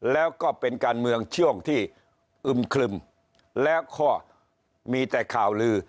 แล้วก็เป็นการเมืองช่วงที่อึมคลึมแล้วก็มีแต่ข่าวลือ